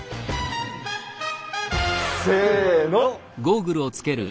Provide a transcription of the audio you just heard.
せの！